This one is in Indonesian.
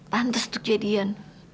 tantes tuh kejadian